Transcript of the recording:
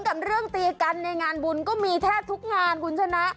กับเรื่องตีกันในงานบุญก็มีแทบทุกงานคุณชนะ